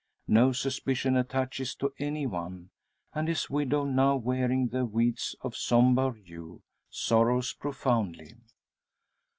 No suspicion attaches to any one; and his widow, now wearing the weeds of sombre hue, sorrows profoundly.